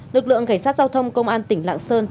lực lượng cảnh sát giao thông công an tỉnh lạng sơn